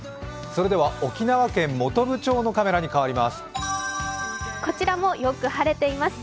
沖縄県本部町のカメラに変わります。